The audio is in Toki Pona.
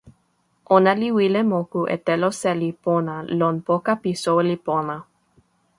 ona li wile moku e telo seli pona lon poka pi soweli pona.